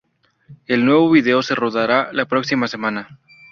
El nuevo vídeo se rodará la próxima semana.